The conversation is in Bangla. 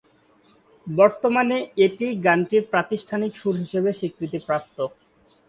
বর্তমানে এটিই গানটির প্রাতিষ্ঠানিক সুর হিসেবে স্বীকৃতিপ্রাপ্ত।